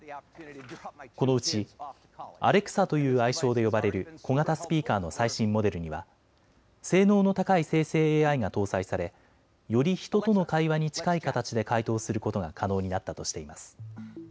このうちアレクサという愛称で呼ばれる小型スピーカーの最新モデルには性能の高い生成ＡＩが搭載されより人との会話に近い形で回答することが可能になったとしています。